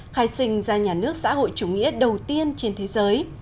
khai sinh ra nhà nước xã hội chủ nghĩa đầu tiên trên thế giới